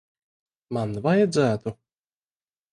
Man vajadzētu?